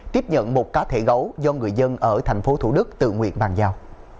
tiếp nhận một cá thể gấu do người dân ở tp thủ đức tự nguyện bàn giao